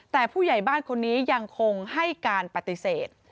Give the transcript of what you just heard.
แต่ผู้ใหญ่บ้านคนนี้ยังคงให้การปฏิเสธ